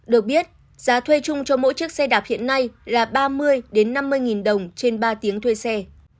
được biết giá thuê chung cho mỗi chiếc xe đạp hiện nay là ba mươi năm mươi nghìn đồng trên ba tiếng thuê xe